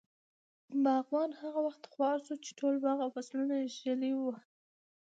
باغوان هغه وخت خوار شو، چې ټول باغ او فصلونه ږلۍ ووهل.